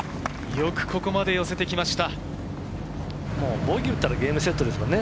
よくここまで寄せてきました。